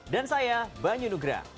dan saya banyu nugra